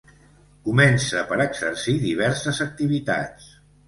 Comença per exercir diverses activitats.